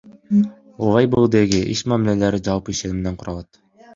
Лейблдеги иш мамилелери жалпы ишенимден куралат.